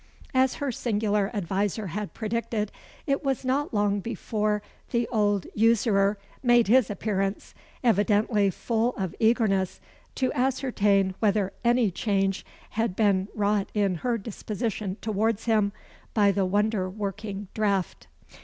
As her singular adviser had predicted, it was not long before the old usurer made his appearance, evidently full of eagerness to ascertain whether any change had been wrought in her disposition towards him by the wonder working draught.